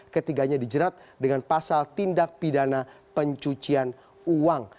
ketiganya dijerat dengan pasal tindak pidana pencucian uang